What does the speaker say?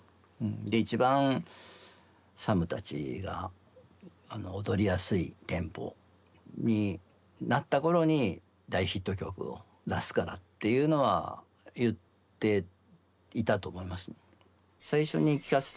で一番ＳＡＭたちが踊りやすいテンポになった頃に大ヒット曲を出すからっていうのは言っていたと思います。